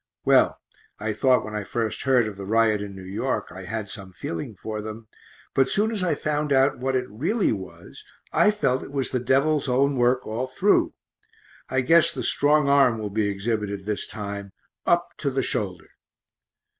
Well, I thought when I first heard of the riot in N. Y. I had some feeling for them, but soon as I found what it really was, I felt it was the devil's own work all through. I guess the strong arm will be exhibited this time up to the shoulder.